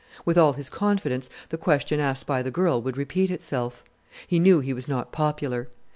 With all his confidence the question asked by the girl would repeat itself. He knew he was not popular.